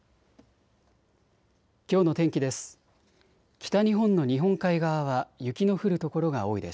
きょうの天気です。